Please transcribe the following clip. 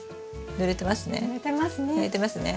ぬれてますね。